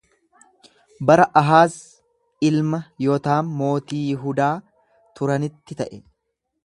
Bara Ahaaz ilma Yotaam mootii Yihudaa turanitti ta'e.